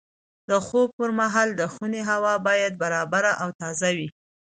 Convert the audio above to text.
د خوب پر مهال د خونې هوا باید برابره او تازه وي.